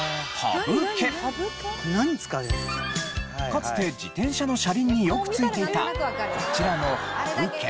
かつて自転車の車輪によくついていたこちらのハブ毛。